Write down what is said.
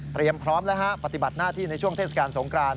พร้อมแล้วฮะปฏิบัติหน้าที่ในช่วงเทศกาลสงคราน